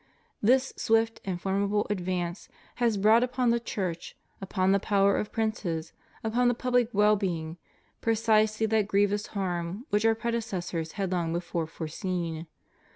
This swift and for midable advance has brought upon the Church, upon the power of princes, upon the public well being, precisely that grievous harm which Our predecessors had long before foreseen.